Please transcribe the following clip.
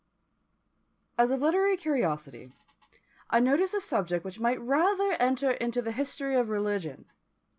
As a literary curiosity, I notice a subject which might rather enter into the history of religion.